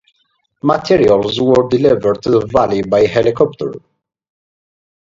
Materials were delivered to the valley by helicopter.